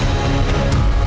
saat malam sampai jumpa